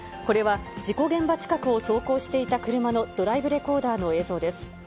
これは事故現場近くを走行していた車のドライブレコーダーの映像です。